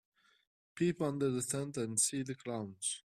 Peep under the tent and see the clowns.